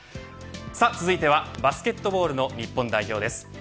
続いては、バスケットボールの日本代表です。